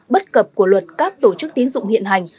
bất cập của luật các tổ chức tín dụng hiện hành